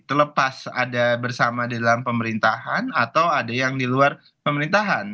terlepas ada bersama di dalam pemerintahan atau ada yang di luar pemerintahan